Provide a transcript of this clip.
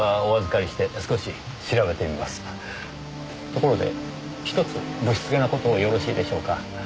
ところでひとつ不躾な事をよろしいでしょうか？